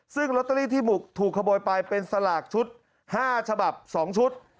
ซึ่งลอตเตอรี่ที่ถูกขโมยไปเป็นสลากชุด๕ฉบับ๒ชุด